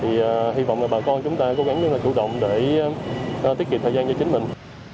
thì hy vọng là bà con chúng ta cố gắng rất là chủ động để tiết kiệm thời gian cho chính mình